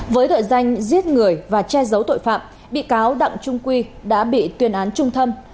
với tội danh giết người và che giấu tội phạm bị cáo đặng trung quy đã bị tuyên án trung tâm